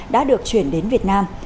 đã được chuyển đến việt nam